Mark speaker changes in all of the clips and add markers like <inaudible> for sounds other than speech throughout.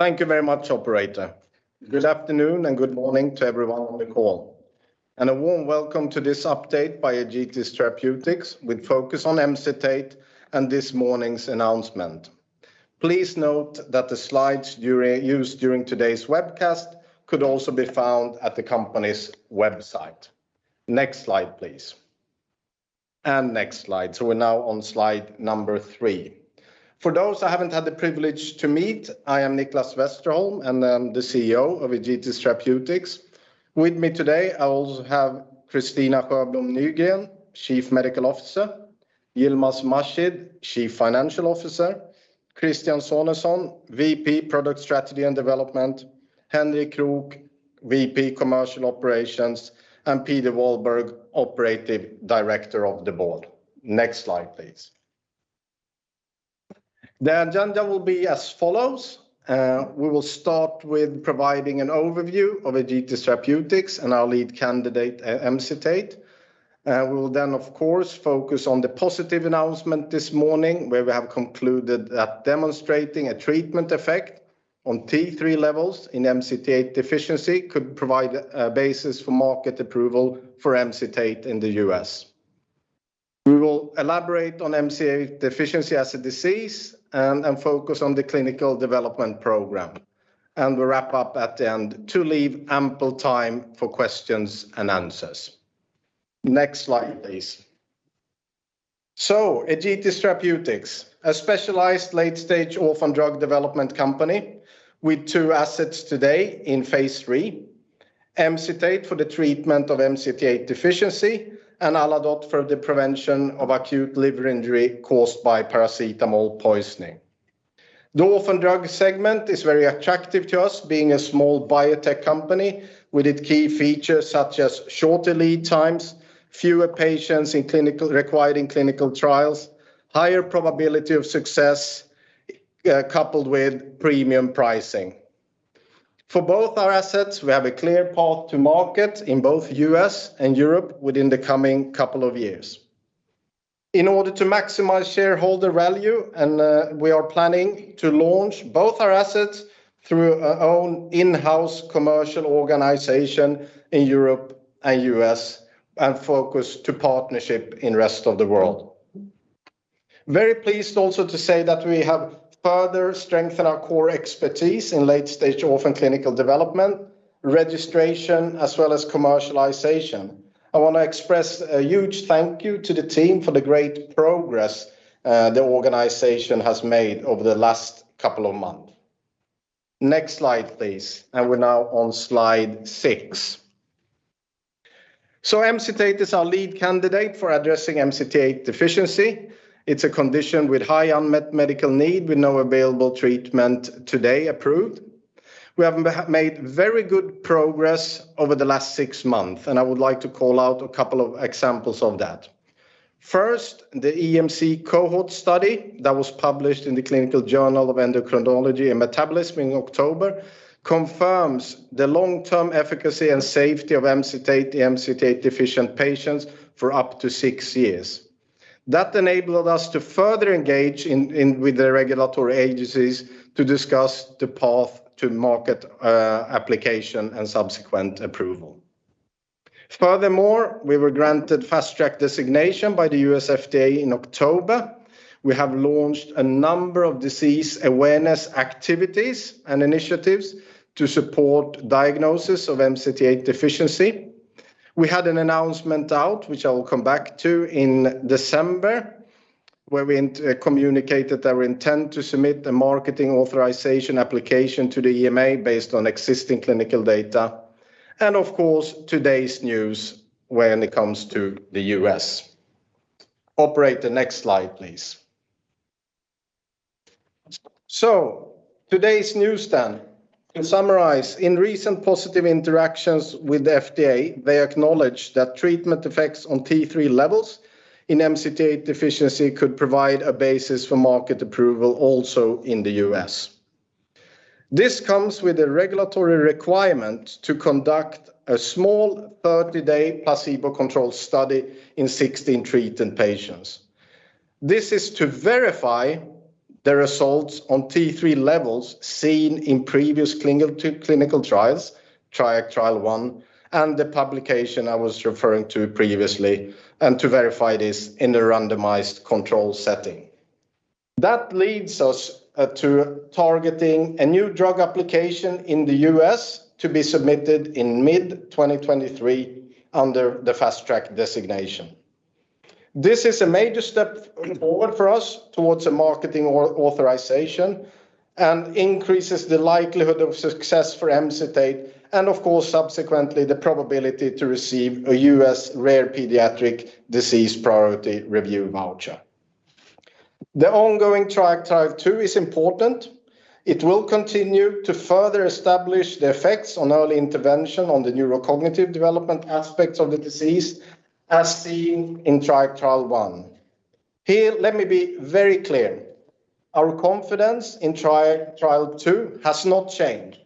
Speaker 1: Thank you very much, operator. Good afternoon and good morning to everyone on the call. A warm welcome to this update by Egetis Therapeutics, with focus on Emcitate and this morning's announcement. Please note that the slides used during today's webcast could also be found at the company's website. Next slide, please. Next slide. We're now on slide number three. For those I haven't had the privilege to meet, I am Nicklas Westerholm, and I'm the CEO of Egetis Therapeutics. With me today, I also have Kristina Sjöblom Nygren, Chief Medical Officer; Yilmaz Mahshid, Chief Financial Officer; Christian Sonesson, VP Product Strategy and Development; Henrik Krook, VP Commercial Operations; and Peder Walberg, Operative Director of the board. Next slide, please. The agenda will be as follows. We will start with providing an overview of Egetis Therapeutics and our lead candidate, Emcitate. We will then of course focus on the positive announcement this morning, where we have concluded that demonstrating a treatment effect on T3 levels in MCT8 deficiency could provide a basis for market approval for Emcitate in the U.S. We will elaborate on MCT8 deficiency as a disease and focus on the clinical development program. We wrap up at the end to leave ample time for questions and answers. Next slide, please. Egetis Therapeutics, a specialized late-stage orphan drug development company with two assets today in phase III. Emcitate for the treatment of MCT8 deficiency and Aladote for the prevention of acute liver injury caused by paracetamol poisoning. The orphan drug segment is very attractive to us being a small biotech company with its key features such as shorter lead times, fewer patients required in clinical trials, higher probability of success, coupled with premium pricing. For both our assets, we have a clear path to market in both U.S. and Europe within the coming couple of years. In order to maximize shareholder value, we are planning to launch both our assets through our own in-house commercial organization in Europe and U.S. and focus on partnerships in rest of the world. Very pleased also to say that we have further strengthened our core expertise in late-stage orphan clinical development, registration, as well as commercialization. I wanna express a huge thank you to the team for the great progress the organization has made over the last couple of months. Next slide, please. We're now on slide six. Emcitate is our lead candidate for addressing MCT8 deficiency. It's a condition with high unmet medical need with no available treatment today approved. We have made very good progress over the last six months and I would like to call out a couple of examples of that. First, the EMC Cohort Study that was published in The Journal of Clinical Endocrinology & Metabolism in October confirms the long-term efficacy and safety of Emcitate to MCT8-deficient patients for up to six years. That enabled us to further engage with the regulatory agencies to discuss the path to marketing application and subsequent approval. Furthermore, we were granted Fast Track Designation by the U.S. FDA in October. We have launched a number of disease awareness activities and initiatives to support diagnosis of MCT8 deficiency. We had an announcement out which I will come back to in December, where we communicated our intent to submit the marketing authorization application to the EMA based on existing clinical data and of course, today's news when it comes to the U.S. Operator, next slide, please. Today's news then. In summary, in recent positive interactions with the FDA, they acknowledge that treatment effects on T3 levels in MCT8 deficiency could provide a basis for market approval also in the U.S. This comes with a regulatory requirement to conduct a small 30-day placebo-controlled study in 16 treated patients. This is to verify the results on T3 levels seen in previous clinical trials, Triac Trial I, and the publication I was referring to previously and to verify this in the randomized control setting. That leads us to targeting a new drug application in the U.S. to be submitted in mid-2023 under the Fast Track Designation. This is a major step forward for us towards a marketing authorisation and increases the likelihood of success for Emcitate and of course, subsequently, the probability to receive a U.S. rare pediatric disease priority review voucher. The ongoing Triac Trial II is important. It will continue to further establish the effects on early intervention on the neurocognitive development aspects of the disease as seen in Triac Trial I. Here, let me be very clear. Our confidence in Triac Trial II has not changed.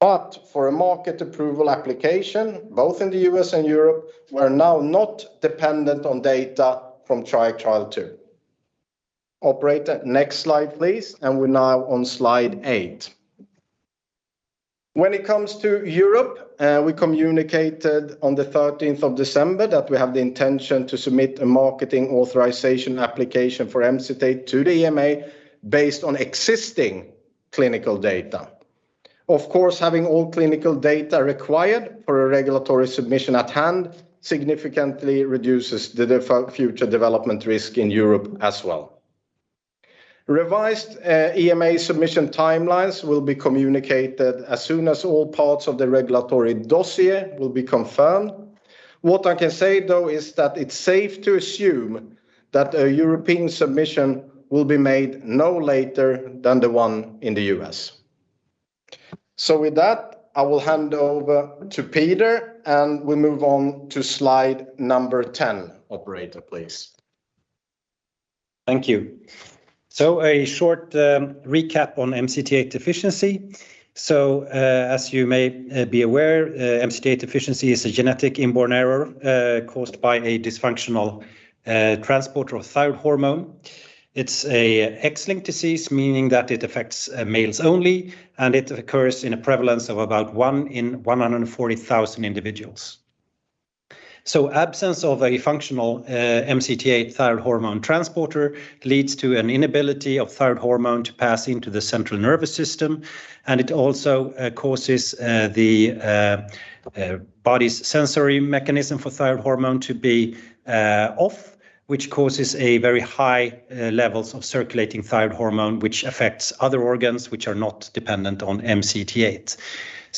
Speaker 1: But for a market approval application, both in the U.S. and Europe, we're now not dependent on data from Triac Trial II. Operator, next slide, please. We're now on slide eight. When it comes to Europe, we communicated on the 13th of December that we have the intention to submit a marketing authorization application for Emcitate to the EMA based on existing clinical data. Of course, having all clinical data required for a regulatory submission at hand significantly reduces the future development risk in Europe as well. Revised EMA submission timelines will be communicated as soon as all parts of the regulatory dossier will be confirmed. What I can say though is that it's safe to assume that a European submission will be made no later than the one in the U.S. With that, I will hand over to Peder, and we move on to slide number 10. Operator, please.
Speaker 2: Thank you. A short recap on MCT8 deficiency. As you may be aware, MCT8 deficiency is a genetic inborn error caused by a dysfunctional transporter of thyroid hormone. It's an X-linked disease, meaning that it affects males only, and it occurs in a prevalence of about 1 in 140,000 individuals. Absence of a functional MCT8 thyroid hormone transporter leads to an inability of thyroid hormone to pass into the central nervous system, and it also causes the body's sensory mechanism for thyroid hormone to be off, which causes a very high levels of circulating thyroid hormone which affects other organs which are not dependent on MCT8.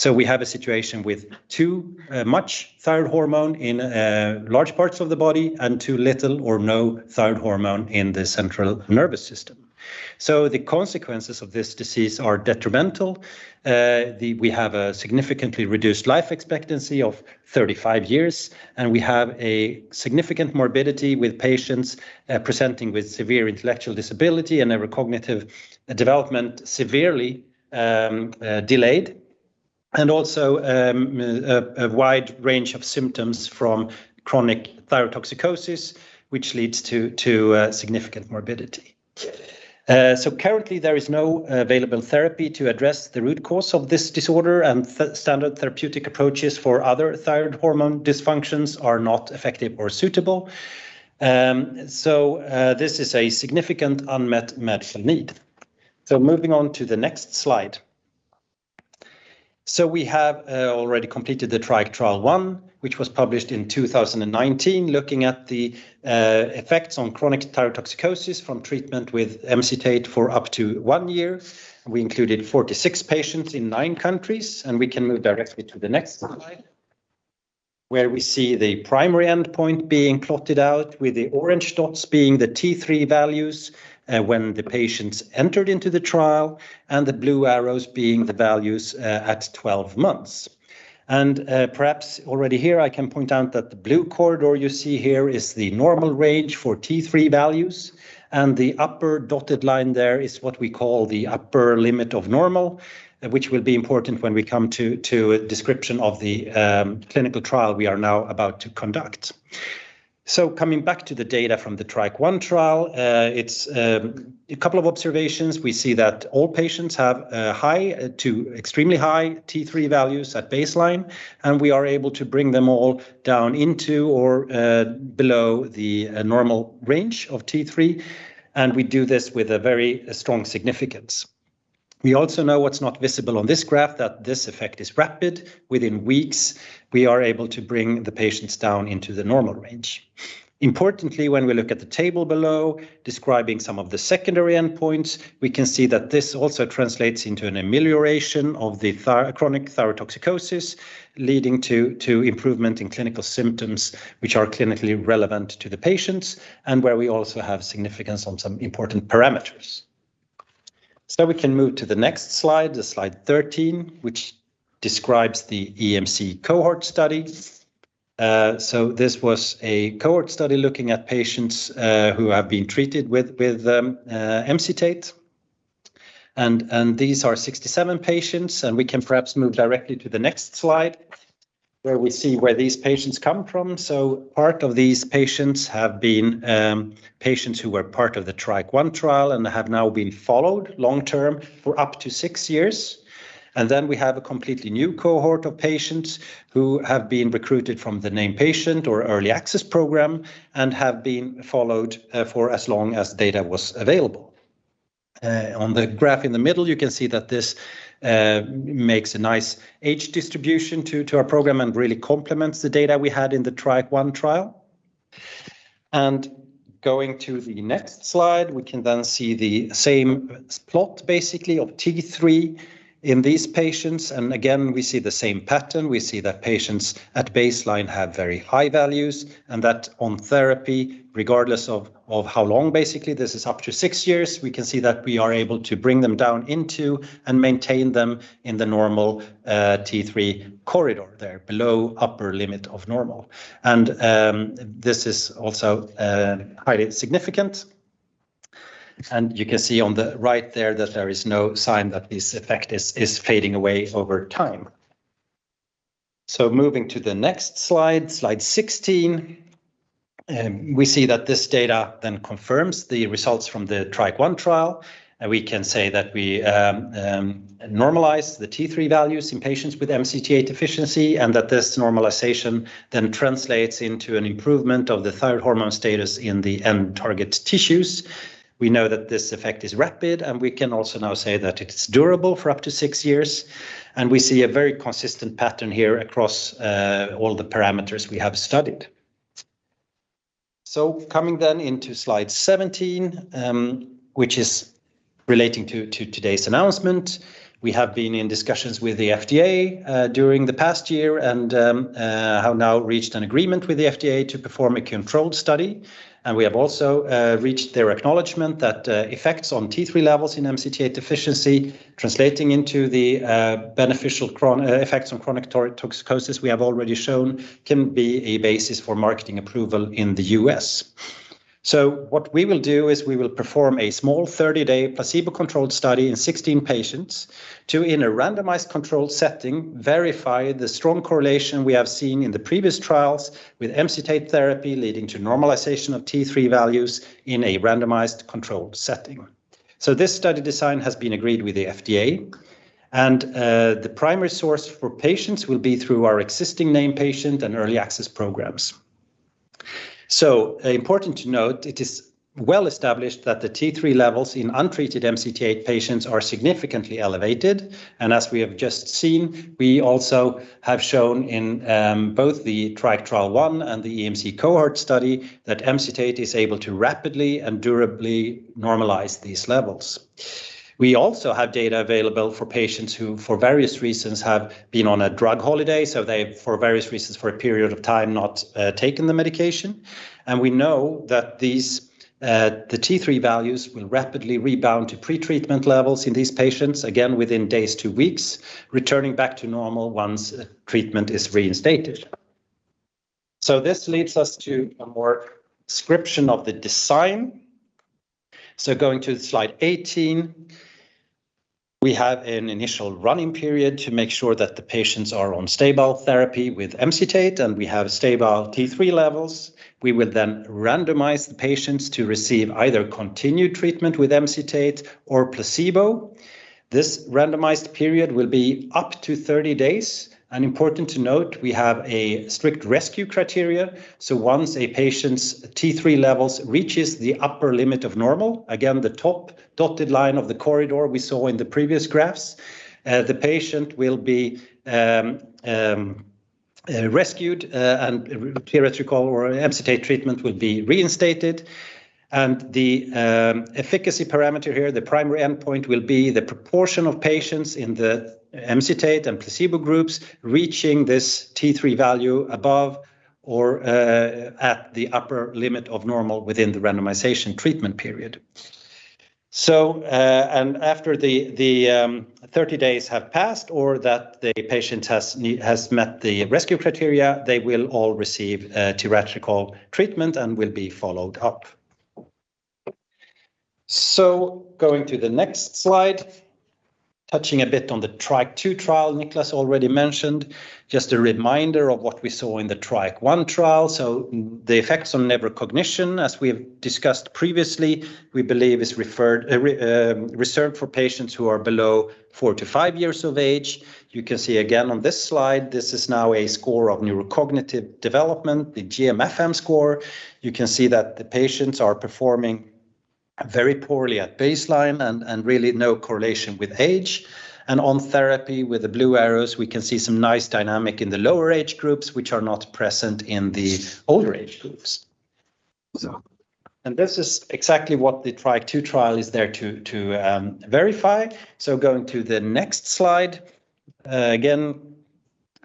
Speaker 2: We have a situation with too much thyroid hormone in large parts of the body and too little or no thyroid hormone in the central nervous system. The consequences of this disease are detrimental. We have a significantly reduced life expectancy of 35 years and we have a significant morbidity with patients presenting with severe intellectual disability and their cognitive development severely delayed. And also a wide range of symptoms from chronic thyrotoxicosis which leads to significant morbidity. Currently there is no available therapy to address the root cause of this disorder and the standard therapeutic approaches for other thyroid hormone dysfunctions are not effective or suitable. This is a significant unmet medical need. Moving on to the next slide. We have already completed the Triac Trial I, which was published in 2019, looking at the effects on chronic thyrotoxicosis from treatment with Emcitate for up to one year. We included 46 patients in nine countries and we can move directly to the next slide, where we see the primary endpoint being plotted out with the orange dots being the T3 values when the patients entered into the trial, and the blue arrows being the values at 12 months. Perhaps already here I can point out that the blue corridor you see here is the normal range for T3 values and the upper dotted line there is what we call the upper limit of normal, which will be important when we come to a description of the clinical trial we are now about to conduct. Coming back to the data from the Triac Trial I, it's a couple of observations. We see that all patients have high to extremely high T3 values at baseline, and we are able to bring them all down into or below the normal range of T3, and we do this with a very strong significance. We also know what's not visible on this graph, that this effect is rapid. Within weeks, we are able to bring the patients down into the normal range. Importantly, when we look at the table below describing some of the secondary endpoints. We can see that this also translates into an amelioration of the chronic thyrotoxicosis leading to improvement in clinical symptoms which are clinically relevant to the patients and where we also have significance on some important parameters. We can move to the next slide 13, which describes the EMC Cohort Study. This was a cohort study looking at patients who have been treated with Emcitate. These are 67 patients, and we can perhaps move directly to the next slide where we see where these patients come from. Part of these patients have been patients who were part of the Triac Trial I and have now been followed long term for up to six years. Then we have a completely new cohort of patients who have been recruited from the Named Patient Program or Early Access Program and have been followed for as long as data was available. On the graph in the middle, you can see that this makes a nice age distribution to our program and really complements the data we had in the Triac Trial I. Going to the next slide, we can then see the same scatter plot basically of T3 in these patients. Again, we see the same pattern. We see that patients at baseline have very high values and that on therapy, regardless of how long, basically this is up to six years, we can see that we are able to bring them down into and maintain them in the normal T3 corridor there below upper limit of normal. This is also highly significant. You can see on the right there that there is no sign that this effect is fading away over time. Moving to the next slide 16, we see that this data then confirms the results from the Triac Trial I. We can say that we normalize the T3 values in patients with MCT8 deficiency and that this normalization then translates into an improvement of the thyroid hormone status in the end target tissues. We know that this effect is rapid, and we can also now say that it's durable for up to six years. We see a very consistent pattern here across all the parameters we have studied. Coming then into slide 17, which is relating to today's announcement. We have been in discussions with the FDA during the past year and have now reached an agreement with the FDA to perform a controlled study. We have also reached their acknowledgement that effects on T3 levels in MCT8 deficiency translating into the beneficial effects on chronic thyrotoxicosis we have already shown can be a basis for marketing approval in the U.S. What we will do is we will perform a small 30-day placebo-controlled study in 16 patients to, in a randomized controlled setting, verify the strong correlation we have seen in the previous trials with MCT8 therapy leading to normalization of T3 values in a randomized controlled setting. This study design has been agreed with the FDA and the primary source for patients will be through our existing Named Patient and Early Access Programs. Important to note, it is well established that the T3 levels in untreated MCT8 patients are significantly elevated. As we have just seen, we also have shown in both the Triac Trial I and the EMC Cohort Study that MCT8 is able to rapidly and durably normalize these levels. We also have data available for patients who for various reasons have been on a drug holiday, so they for various reasons for a period of time not taken the medication. We know that the T3 values will rapidly rebound to pretreatment levels in these patients, again within days to weeks, returning back to normal once treatment is reinstated. This leads us to a more description of the design. Going to slide 18, we have an initial run-in period to make sure that the patients are on stable therapy with MCT8 and we have stable T3 levels. We will then randomize the patients to receive either continued treatment with MCT8 or placebo. This randomized period will be up to 30 days. Important to note, we have a strict rescue criteria. Once a patient's T3 levels reaches the upper limit of normal, again the top dotted line of the corridor we saw in the previous graphs, the patient will be rescued, and Tiratricol or MCT8 treatment will be reinstated. The efficacy parameter here, the primary endpoint will be the proportion of patients in the MCT8 and placebo groups reaching this T3 value above or at the upper limit of normal within the randomization treatment period. After the 30 days have passed or that the patient has met the rescue criteria, they will all receive Tiratricol treatment and will be followed up. Going to the next slide, touching a bit on the Triac Trial II Nicklas already mentioned. Just a reminder of what we saw in the Triac Trial I. The effects on neurocognition, as we have discussed previously, we believe is reserved for patients who are below four to five years of age. You can see again on this slide, this is now a score of neurocognitive development, the GMFM score. You can see that the patients are performing very poorly at baseline and really no correlation with age. On therapy with the blue arrows, we can see some nice dynamic in the lower age groups which are not present in the older age groups. This is exactly what the Triac Trial II is there to verify. Going to the next slide, again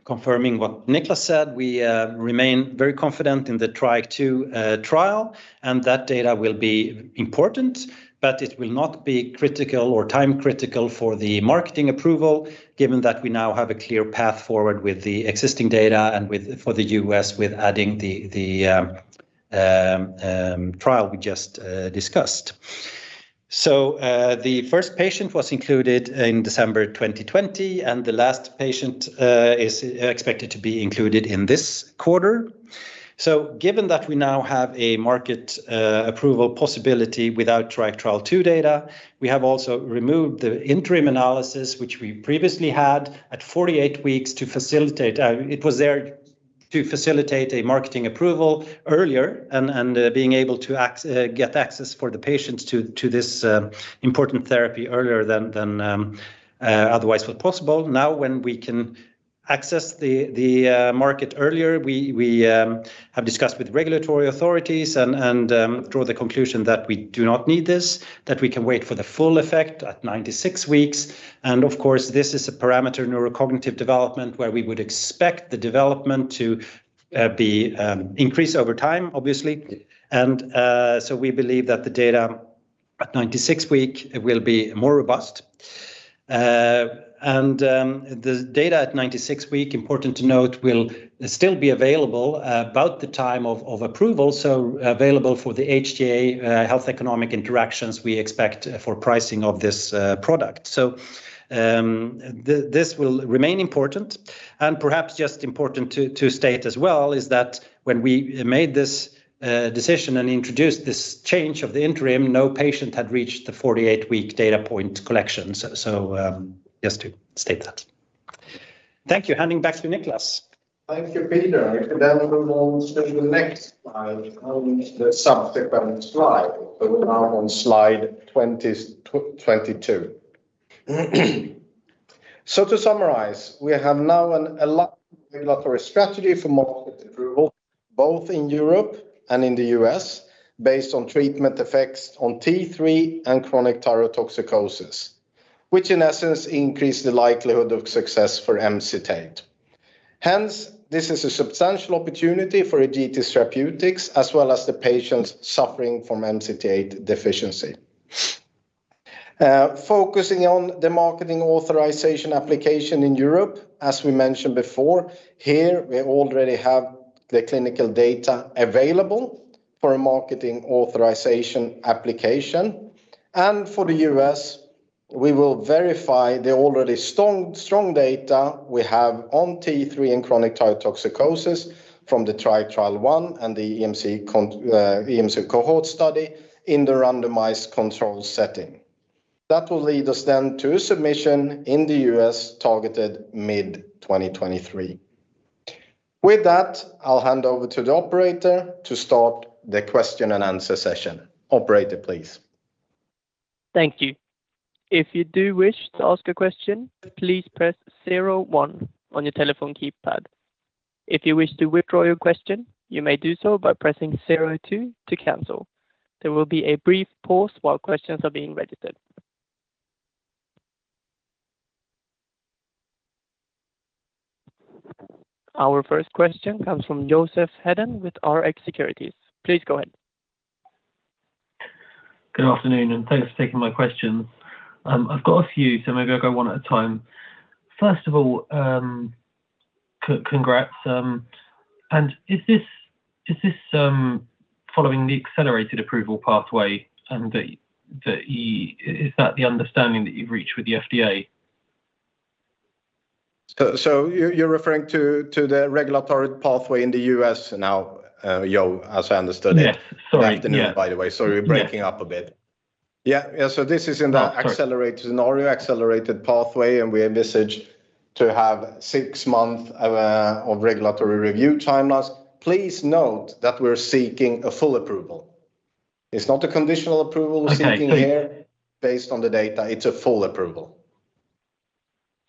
Speaker 2: confirming what Nicklas said. We remain very confident in the Triac Trial II, and that data will be important. It will not be critical or time critical for the marketing approval, given that we now have a clear path forward with the existing data and, for the U.S., with adding the trial we just discussed. The first patient was included in December 2020 and the last patient is expected to be included in this quarter. Given that we now have a market approval possibility without Triac Trial II data, we have also removed the interim analysis which we previously had at 48 weeks to facilitate. It was there to facilitate a marketing approval earlier and being able to get access for the patients to this important therapy earlier than otherwise was possible. Now when we can access the market earlier, we have discussed with regulatory authorities and draw the conclusion that we do not need this, that we can wait for the full effect at 96 weeks. And of course, this is a parameter neurocognitive development where we would expect the development to increase over time, obviously. We believe that the data at 96 week will be more robust. The data at 96 week, important to note, will still be available about the time of approval so available for the HTA health economic negotiations we expect for pricing of this product. This will remain important and perhaps just important to state as well is that when we made this decision and introduced this change of the interim, no patient had reached the 48 week data point collection. Just to state that. Thank you. Handing back to Nicklas.
Speaker 1: Thank you, Peder. We will go to the next slide on the subsequent slide. We're now on slide 22. To summarize, we have now an aligned regulatory strategy for market approval, both in Europe and in the U.S. based on treatment effects on T3 and chronic thyrotoxicosis, which in essence increase the likelihood of success for Emcitate. Hence, this is a substantial opportunity for Egetis Therapeutics, as well as the patients suffering from MCT8 deficiency. Focusing on the marketing authorisation application in Europe, as we mentioned before, here we already have the clinical data available for a marketing authorisation application. For the U.S., we will verify the already strong data we have on T3 and chronic thyrotoxicosis from the Triac Trial I and the EMC Cohort Study in the randomized control setting. That will lead us then to submission in the U.S. targeted mid-2023. With that, I'll hand over to the operator to start the question and answer session. Operator, please.
Speaker 3: Thank you. If you do wish to ask a question, please press zero one on your telephone keypad. If you wish to withdraw your question, you may do so by pressing zero two to cancel. There will be a brief pause while questions are being registered. Our first question comes from Joseph Hedden with Rx Securities. Please go ahead.
Speaker 4: Good afternoon and thanks for taking my questions. I've got a few so maybe I'll go one at a time. First of all, congrats. Is this following the accelerated approval pathway and is that the understanding that you've reached with the FDA?
Speaker 1: You're referring to the regulatory pathway in the U.S. now, Joe, as I understood it.
Speaker 4: Yeah. <crosstalk> Sorry.
Speaker 1: Good afternoon, by the way. Sorry, we're breaking up a bit. Yeah. Yeah. This is in the accelerated scenario, accelerated pathway, and we envisage to have 6-month of regulatory review timelines. Please note that we're seeking a full approval. It's not a conditional approval we're seeking here based on the data. It's a full approval.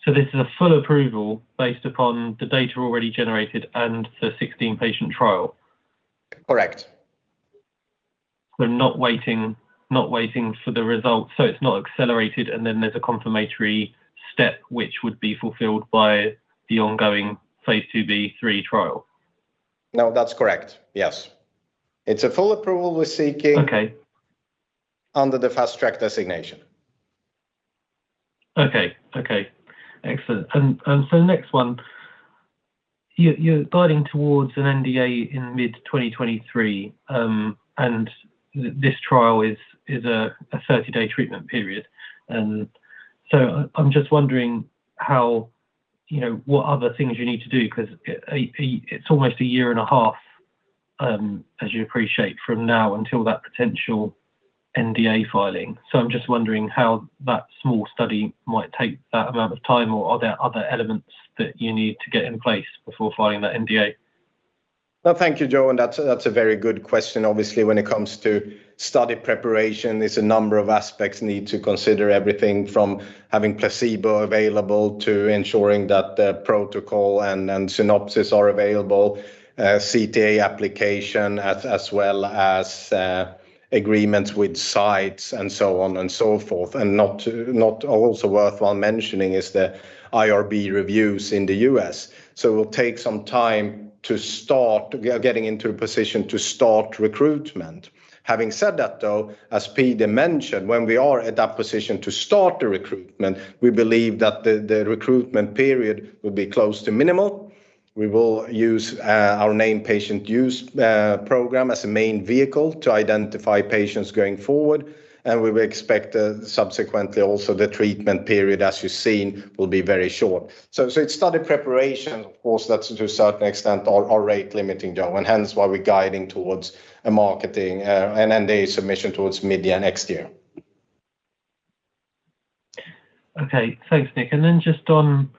Speaker 4: This is a full approval based upon the data already generated and the 16-patient trial?
Speaker 1: Correct.
Speaker 4: We're not waiting for the results, so it's not accelerated, and then there's a confirmatory step which would be fulfilled by the ongoing phase IIb, phase III trial.
Speaker 1: No, that's correct. Yes. It's a full approval we're seeking.
Speaker 4: Okay
Speaker 1: Under the Fast Track Designation.
Speaker 4: Okay. Okay. Excellent. So the next one, you're guiding towards an NDA in mid-2023, and this trial is a 30-day treatment period. I'm just wondering how, you know, what other things you need to do because it's almost a year and a half, as you appreciate from now until that potential NDA filing. I'm just wondering how that small study might take that amount of time or are there other elements that you need to get in place before filing that NDA?
Speaker 1: No, thank you, Joe, and that's a very good question. Obviously, when it comes to study preparation, there's a number of aspects need to consider everything from having placebo available to ensuring that the protocol and synopsis are available, CTA application as well as agreements with sites and so on and so forth. It's also worthwhile mentioning is the IRB reviews in the U.S. It will take some time to start getting into a position to start recruitment. Having said that, though, as Peder mentioned, when we are at that position to start the recruitment, we believe that the recruitment period will be close to minimal. We will use our Named Patient Program as a main vehicle to identify patients going forward, and we will expect subsequently also the treatment period, as you've seen, will be very short. It's study preparation, of course, that's to a certain extent our rate-limiting, Joe, and hence why we're guiding towards a marketing NDA submission towards mid-year next year.
Speaker 4: Okay. Thanks, Nick. Just on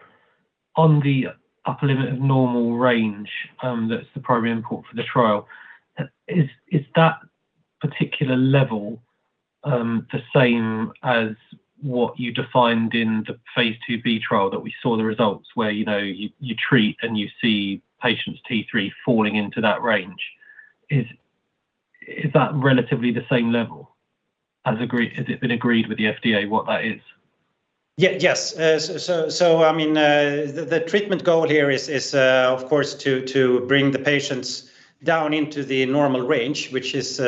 Speaker 4: the upper limit of normal range, that's the primary endpoint for the trial. Is that particular level the same as what you defined in the phase IIb trial that we saw the results where, you know, you treat and you see patients T3 falling into that range. Is that relatively the same level as agreed with the FDA what that is?
Speaker 2: Yes. I mean, the treatment goal here is, of course, to bring the patients down into the normal range, which is,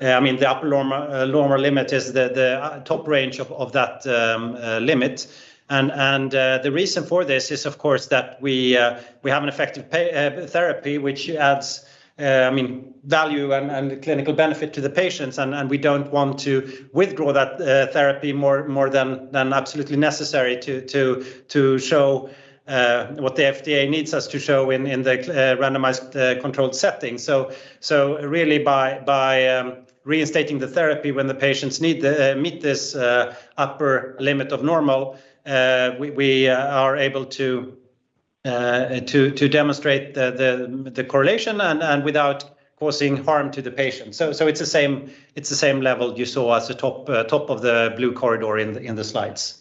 Speaker 2: I mean, the upper normal limit is the top range of that limit. The reason for this is, of course, that we have an effective therapy which adds, I mean, value and clinical benefit to the patients. We don't want to withdraw that therapy more than absolutely necessary to show what the FDA needs us to show in the randomized controlled setting. Really by reinstating the therapy when the patients need to meet this upper limit of normal, we are able to demonstrate the correlation without causing harm to the patient. It's the same level you saw as the top of the blue corridor in the slides.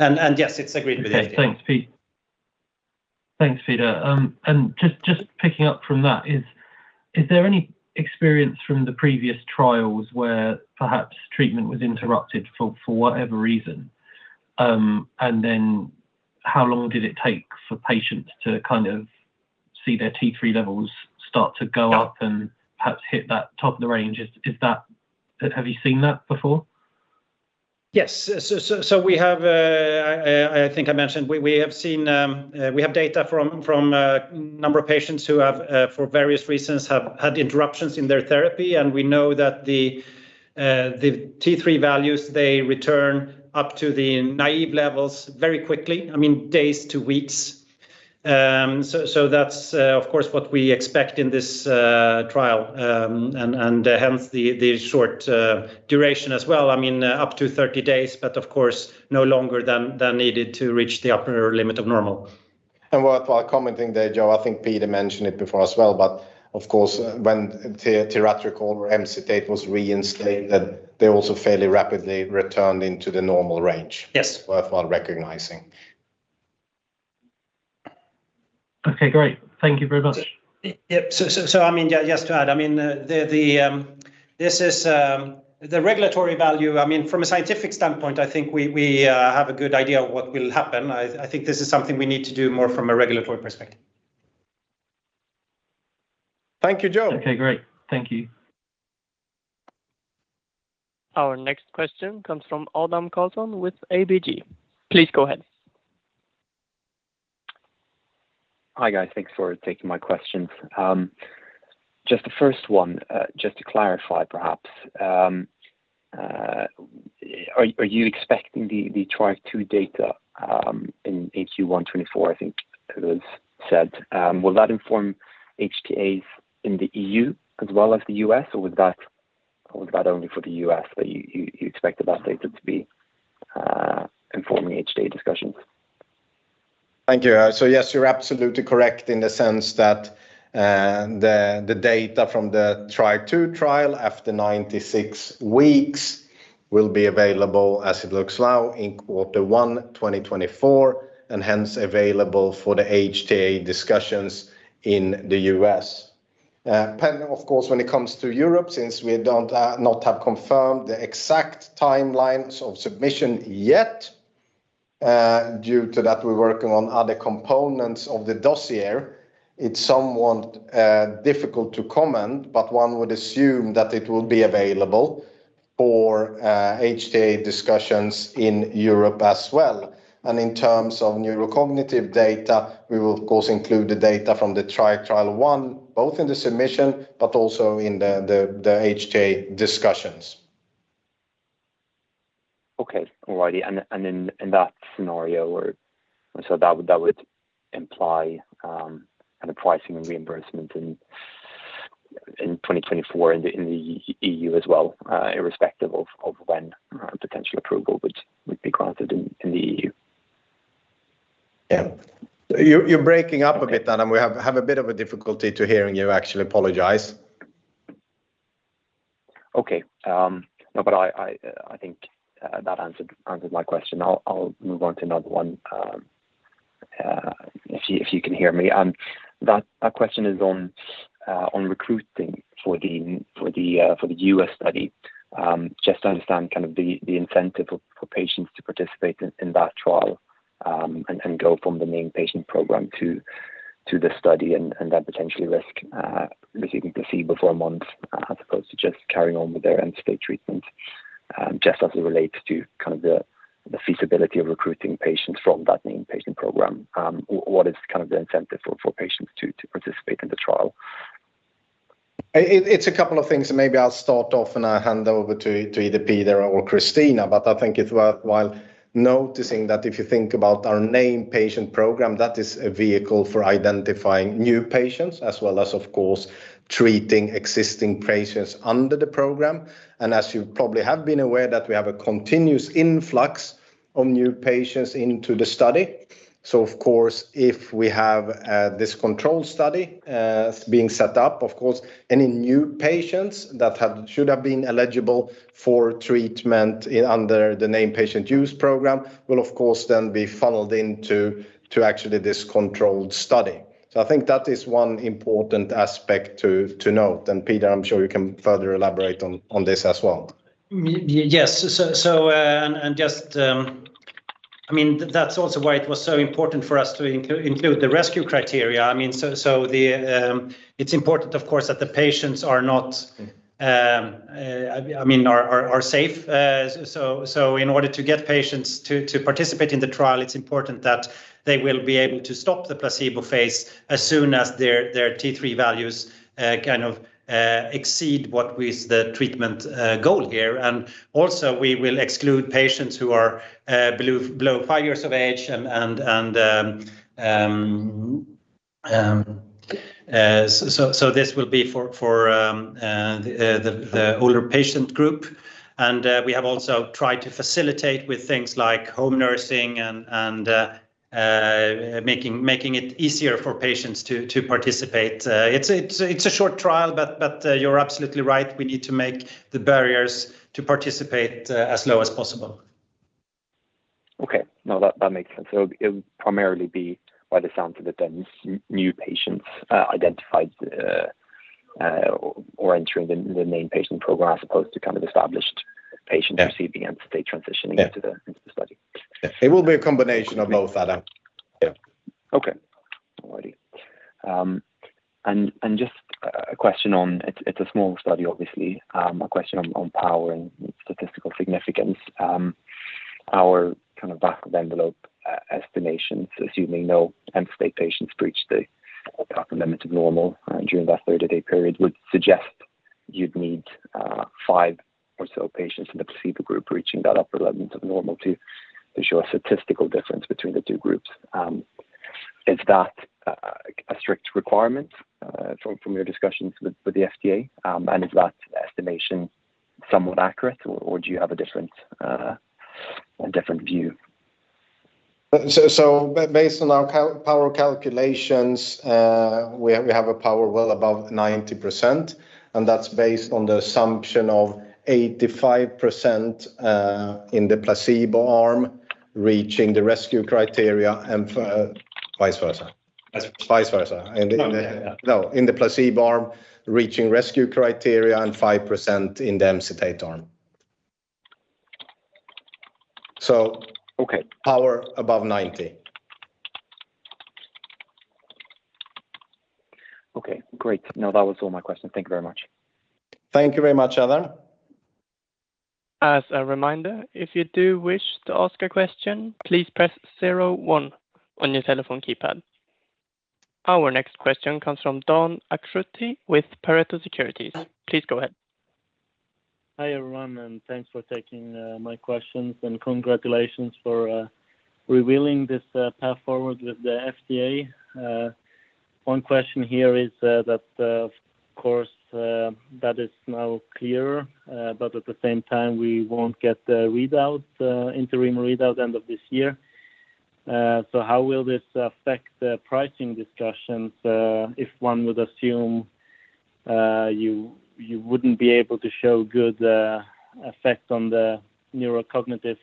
Speaker 2: Yes, it's agreed with the FDA.
Speaker 4: Okay, thanks, Pede. Thanks, Peder. Just picking up from that, is there any experience from the previous trials where perhaps treatment was interrupted for whatever reason? How long did it take for patients to kind of see their T3 levels start to go up and perhaps hit that top of the range? Is that? Have you seen that before?
Speaker 2: Yes. I think I mentioned we have seen we have data from a number of patients who have for various reasons have had interruptions in their therapy. We know that the T3 values they return up to the naive levels very quickly, I mean, days to weeks. That's of course what we expect in this trial. Hence the short duration as well, I mean, up to 30 days, but of course, no longer than needed to reach the upper limit of normal.
Speaker 1: Worthwhile commenting there, Joe, I think Peder mentioned it before as well, but of course, when Tiratricol or Emcitate was reinstated, they also fairly rapidly returned into the normal range.
Speaker 2: Yes.
Speaker 1: Worthwhile recognizing.
Speaker 4: Okay, great. Thank you very much.
Speaker 2: Yep. I mean, yeah, just to add, I mean, this is the regulatory value, I mean, from a scientific standpoint, I think we have a good idea of what will happen. I think this is something we need to do more from a regulatory perspective.
Speaker 1: Thank you, Joe.
Speaker 4: Okay, great. Thank you.
Speaker 3: Our next question comes from Adam Karlsson with ABG. Please go ahead.
Speaker 5: Hi, guys. Thanks for taking my questions. Just the first one, just to clarify perhaps, are you expecting the Triac Trial II data in Q1 2024, I think it was said, will that inform HTAs in the EU as well as the U.S. or was that only for the U.S. that you expect that data to be informing HTA discussions?
Speaker 1: Thank you. Yes, you're absolutely correct in the sense that the data from the Triac Trial II after 96 weeks will be available as it looks now in Q1 2024, and hence available for the HTA discussions in the U.S. Pending of course, when it comes to Europe since we do not have confirmed the exact timelines of submission yet, due to that we're working on other components of the dossier. It's somewhat difficult to comment but one would assume that it will be available for HTA discussions in Europe as well. In terms of neurocognitive data, we will of course include the data from the Triac Trial I, both in the submission but also in the HTA discussions.
Speaker 5: In that scenario that would imply kind of pricing and reimbursement in 2024 in the EU as well, irrespective of when potential approval would be granted in the EU.
Speaker 1: Yeah. You're breaking up a bit, Adam. We have a bit of a difficulty to hearing you actually. Apologize.
Speaker 5: Okay. No, but I think that answered my question. I'll move on to another one, if you can hear me. That question is on recruiting for the U.S. study. Just to understand kind of the incentive for patients to participate in that trial and go from the Named Patient Program to the study and then potentially risk receiving placebo for months as opposed to just carrying on with their Emcitate treatment, just as it relates to kind of the feasibility of recruiting patients from that Named Patient Program. What is kind of the incentive for patients to participate in the trial?
Speaker 1: It's a couple of things. Maybe I'll start off and I hand over to either Peder or Kristina. I think it's worthwhile noticing that if you think about our Named Patient Program that is a vehicle for identifying new patients as well as, of course, treating existing patients under the program. As you probably have been aware that we have a continuous influx of new patients into the study. Of course, if we have this controlled study being set up, of course, any new patients should have been eligible for treatment under the Named Patient Program will of course then be funneled into actually this controlled study. I think that is one important aspect to note. Peder, I'm sure you can further elaborate on this as well.
Speaker 2: Yes. Just, I mean, that's also why it was so important for us to include the rescue criteria. I mean, it's important of course that the patients are safe. In order to get patients to participate in the trial, it's important that they will be able to stop the placebo phase as soon as their T3 values exceed what is the treatment goal here. We will also exclude patients who are below five years of age. This will be for the older patient group. We have also tried to facilitate with things like home nursing and making it easier for patients to participate. It's a short trial, but you're absolutely right. We need to make the barriers to participate as low as possible.
Speaker 5: Okay. No, that makes sense. It would primarily be by the sounds of it then new patients identified or entering the main patient program as opposed to kind of established patients.
Speaker 1: Yeah
Speaker 5: <crosstalk> receiving Emcitate transitioning
Speaker 1: Yeah
Speaker 5: <crosstalk> into the study.
Speaker 1: It will be a combination of both, Adam. Yeah.
Speaker 5: Okay. All righty. Just a question on power and statistical significance. It's a small study, obviously. Our kind of back-of-the-envelope estimations assuming no MCT8 patients breach the upper limit of normal during that 30-day period would suggest you'd need five or so patients in the placebo group reaching that upper limit of normal to show a statistical difference between the two groups. Is that a strict requirement from your discussions with the FDA? Is that estimation somewhat accurate or do you have a different view?
Speaker 1: Based on our power calculations, we have a power well above 90% and that's based on the assumption of 85% in the placebo arm reaching the rescue criteria and vice versa.
Speaker 5: That's <crosstalk>
Speaker 1: Vice versa.
Speaker 5: Yeah.
Speaker 1: No. In the placebo arm reaching rescue criteria and 5% in the Emcitate arm.
Speaker 5: Okay
Speaker 1: Power above 90%.
Speaker 5: Okay, great. No, that was all my questions. Thank you very much.
Speaker 1: Thank you very much, Adam.
Speaker 3: As a reminder, if you do wish to ask a question, please press zero one on your telephone keypad. Our next question comes from Dan Akschuti with Pareto Securities. Please go ahead.
Speaker 6: Hi everyone and thanks for taking my questions and congratulations for revealing this path forward with the FDA. One question here is that, of course, that is now clearer. At the same time we won't get the interim readouts end of this year. How will this affect the pricing discussions if one would assume you wouldn't be able to show good effects on the neurocognitive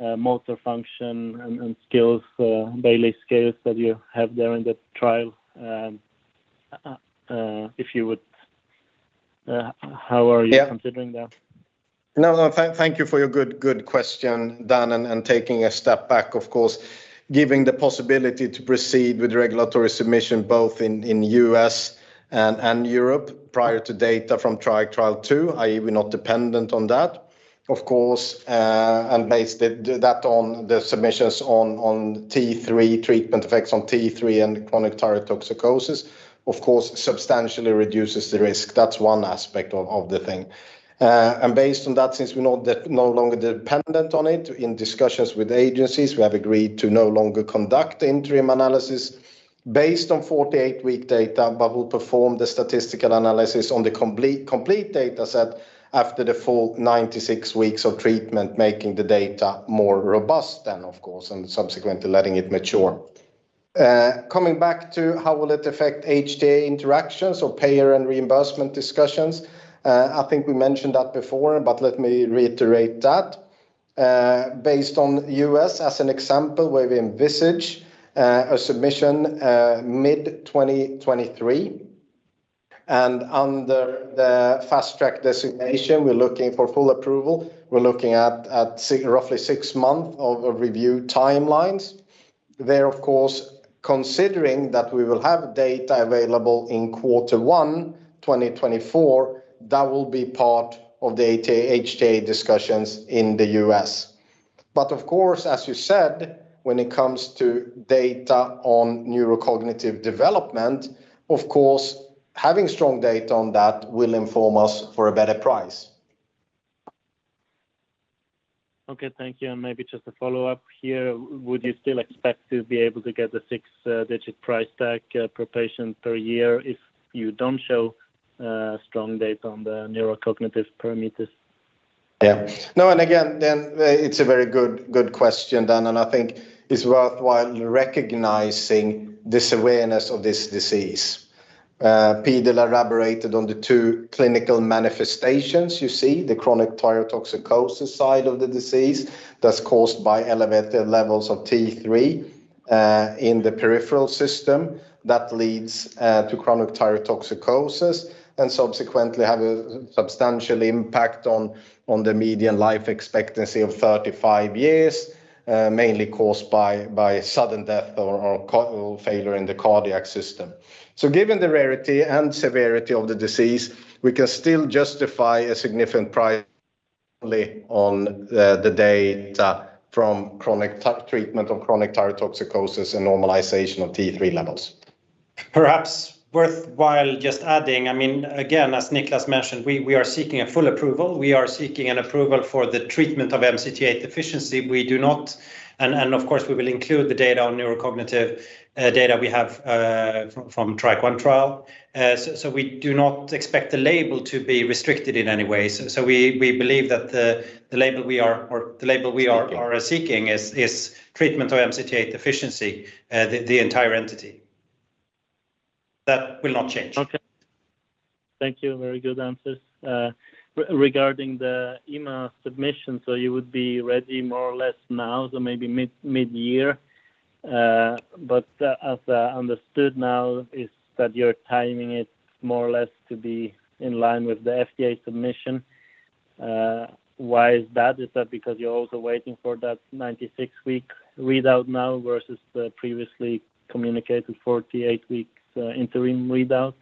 Speaker 6: motor function and skills Bayley Scales that you have there in the trial. If you would, how are you <crosstalk>
Speaker 1: Yeah
Speaker 6: considering that?
Speaker 1: No. Thank you for your good question, Dan. Taking a step back, of course, giving the possibility to proceed with regulatory submission, both in U.S. and Europe prior to data from Triac Trial II, I, we're not dependent on that. Of course, based that on the submissions on T3 treatment effects on T3 and chronic thyrotoxicosis, of course, substantially reduces the risk. That's one aspect of the thing. Based on that, since we're no longer dependent on it in discussions with agencies, we have agreed to no longer conduct the interim analysis based on 48-week data. We'll perform the statistical analysis on the complete data set after the full 96 weeks of treatment, making the data more robust than of course, and subsequently letting it mature. Coming back to how will it affect HTA interactions or payer and reimbursement discussions, I think we mentioned that before, but let me reiterate that. Based on U.S. as an example where we envisage a submission mid-2023 and under the Fast Track designation, we are looking for full approval. We're looking at roughly six month of a review timelines. There of course considering that we will have data available in quarter one 2024, that will be part of the HTA discussions in the U.S. But of course, as you said, when it comes to data on neurocognitive development, of course having strong data on that will inform us for a better price.
Speaker 6: Okay, thank you. Maybe just a follow up here. Would you still expect to be able to get the six-digit price tag per patient per year if you don't show strong data on the neurocognitive parameters?
Speaker 1: Yeah. No, again, Dan, it's a very good question, Dan, and I think it's worthwhile recognizing this awareness of this disease. Peder elaborated on the two clinical manifestations. You see the chronic thyrotoxicosis side of the disease that's caused by elevated levels of T3 in the peripheral system that leads to chronic thyrotoxicosis and subsequently have a substantial impact on the median life expectancy of 35 years, mainly caused by sudden death or cardiac failure in the cardiac system. Given the rarity and severity of the disease, we can still justify a significant price only on the data from chronic treatment of chronic thyrotoxicosis and normalization of T3 levels.
Speaker 2: Perhaps worthwhile just adding, I mean, again, as Nicklas mentioned, we are seeking a full approval. We are seeking an approval for the treatment of MCT8 deficiency. Of course, we will include the data on neurocognitive data we have from Triac Trial I. We do not expect the label to be restricted in any way. We believe that the label we are or the label we are
Speaker 1: Seeking
Speaker 2: are seeking is treatment of MCT8 deficiency, the entire entity. That will not change.
Speaker 6: Okay. Thank you. Very good answers. Regarding the EMA submission, you would be ready more or less now, maybe mid-year. As understood now is that you're timing it more or less to be in line with the FDA submission. Why is that? Is that because you're also waiting for that 96-week readout now versus the previously communicated 48-week interim readout?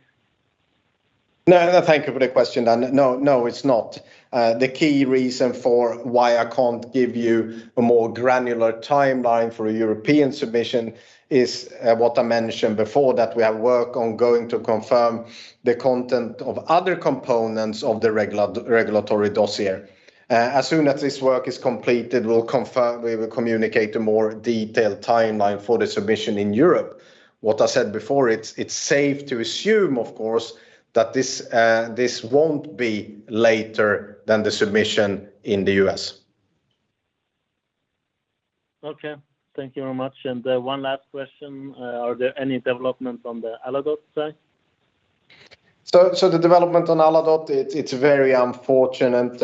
Speaker 1: No. No. Thank you for the question, Dan. No, it's not. The key reason for why I can't give you a more granular timeline for a European submission is what I mentioned before, that we have work ongoing to confirm the content of other components of the regulatory dossier. As soon as this work is completed, we will communicate a more detailed timeline for the submission in Europe. What I said before, it's safe to assume of course that this won't be later than the submission in the US.
Speaker 6: Okay. Thank you very much. One last question. Are there any development on the Aladote side?
Speaker 1: The development on Aladote, it's very unfortunate,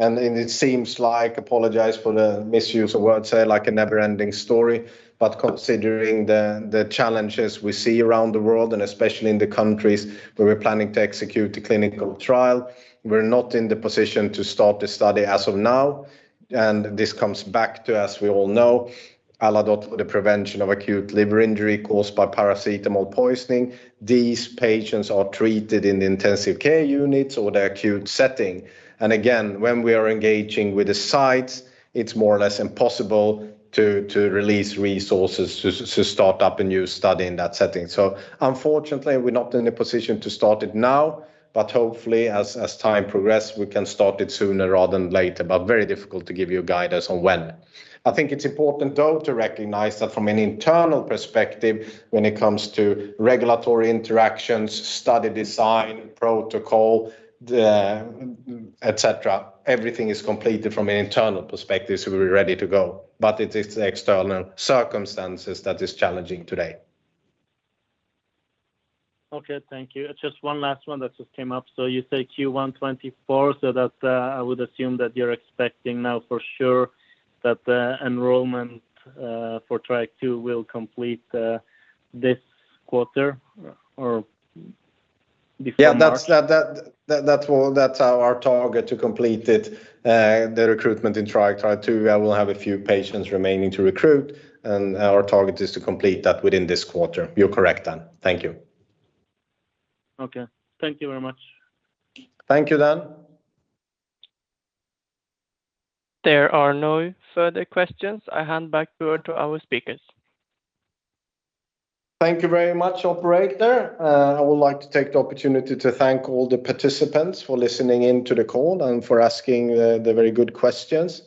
Speaker 1: and it seems like, apologies for the misused of word, never-ending story. Considering the challenges we see around the world, and especially in the countries where we're planning to execute the clinical trial, we're not in a position to start the study as of now. This comes back to, as we all know, Aladote for the prevention of acute liver injury caused by paracetamol poisoning. These patients are treated in the intensive care units or the acute setting. Again, when we are engaging with the sites, it's more or less impossible to release resources to start up a new study in that setting. Unfortunately, we're not in a position to start it now, but hopefully, as time progress, we can start it sooner rather than later. Very difficult to give you guidance on when. I think it's important, though, to recognize that from an internal perspective, when it comes to regulatory interactions, study design, protocol, et cetera, everything is completed from an internal perspective, so we're ready to go. It is the external circumstances that is challenging today.
Speaker 6: Okay. Thank you. Just one last one that just came up. You say Q1 2024, so that's, I would assume that you're expecting now for sure that the enrollment for Triac Trial II will complete this quarter or before March?
Speaker 1: That's our target to complete it. The recruitment in Triac Trial II, we'll have a few patients remaining to recruit, and our target is to complete that within this quarter. You're correct, Dan. Thank you.
Speaker 6: Okay. Thank you very much.
Speaker 1: Thank you, Dan.
Speaker 3: There are no further questions. I hand back over to our speakers.
Speaker 1: Thank you very much, operator. I would like to take the opportunity to thank all the participants for listening in to the call and for asking the very good questions.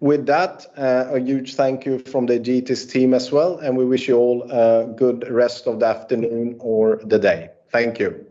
Speaker 1: With that, a huge thank you from the Egetis team as well, and we wish you all a good rest of the afternoon or the day. Thank you.